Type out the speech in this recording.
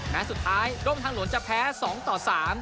แม้สุดท้ายร่วมทางหลวงจะแพ้สองต่อสาม